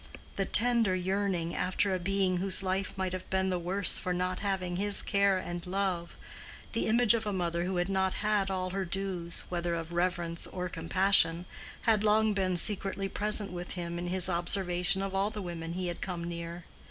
The tender yearning after a being whose life might have been the worse for not having his care and love, the image of a mother who had not had all her dues, whether of reverence or compassion, had long been secretly present with him in his observation of all the women he had come near.